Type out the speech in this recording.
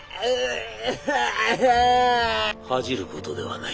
「恥じることではない」。